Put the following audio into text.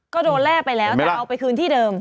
ก็โดนแลกไปแล้วแต่เอาไปคืนที่เดิม